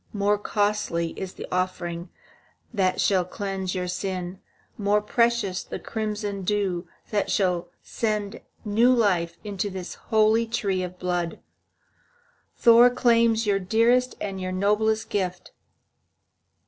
More costly is the offering that shall cleanse your sin, more precious the crimson dew that shall send new life into this holy tree of blood. Thor claims your dearest and your noblest gift."